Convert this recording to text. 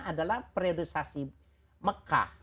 adalah periodisasi mekah